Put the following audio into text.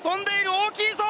大きいぞ！